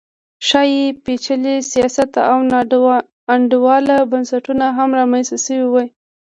ښايي پېچلي سیاسي او ناانډوله بنسټونه هم رامنځته شوي وي